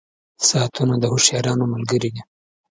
• ساعتونه د هوښیارانو ملګري دي.